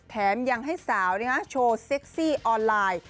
แถมยังให้สาวโชว์เซ็กซี่ออนไลน์